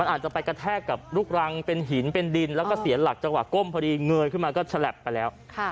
อาจจะไปกระแทกกับลูกรังเป็นหินเป็นดินแล้วก็เสียหลักจังหวะก้มพอดีเงยขึ้นมาก็ฉลับไปแล้ว